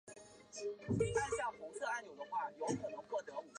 钱尔登去官里居。